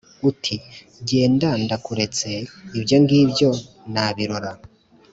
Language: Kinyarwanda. Uti: genda ndakuretseIbyo ngibyo nabirora